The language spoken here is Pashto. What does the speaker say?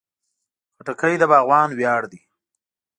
خټکی د باغوان ویاړ دی.